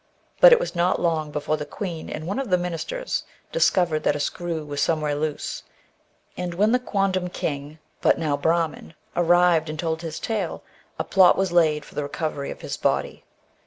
But it was not long before the queen and one of the ministers discovered that a screw was somewhere loose, and when the quondam king, but now Brahmin, arrived and told his tale, a plot was laid for the recovery of his body.